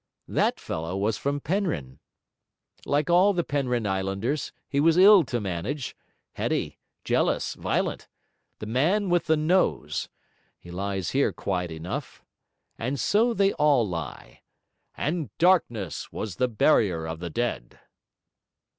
That fellow was from Penrhyn; like all the Penrhyn islanders he was ill to manage; heady, jealous, violent: the man with the nose! He lies here quiet enough. And so they all lie. "And darkness was the burier of the dead!"'